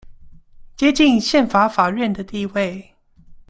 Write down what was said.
接近憲法法院的地位